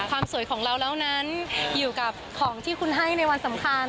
สวยของเราแล้วนั้นอยู่กับของที่คุณให้ในวันสำคัญ